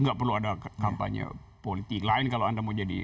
nggak perlu ada kampanye politik lain kalau anda mau jadi